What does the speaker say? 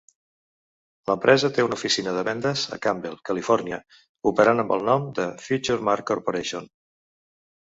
L'empresa té una oficina de vendes a Campbell (Califòrnia) operant amb el nom de Futuremark Corporation.